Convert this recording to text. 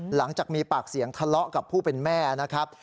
หลังจากมีปากเสียงทะเลาะกับผู้เป็นแม่นะครับ